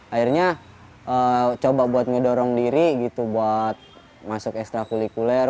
akhirnya coba buat ngedorong diri gitu buat masuk ekstra kulikuler